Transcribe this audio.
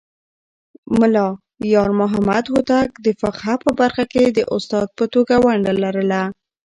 ملا يارمحمد هوتک د فقهه په برخه کې د استاد په توګه ونډه لرله.